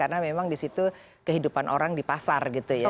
karena memang di situ kehidupan orang di pasar gitu ya